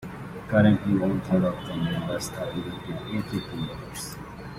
Currently one-third of the members are elected every two years.